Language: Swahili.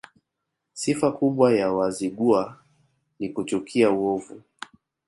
Sifa kubwa ya Wazigua ni kuchukia uovu